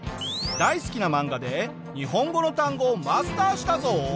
大好きな漫画で日本語の単語をマスターしたぞ。